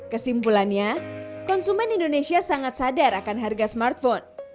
kesimpulannya konsumen indonesia sangat sadar akan harga smartphone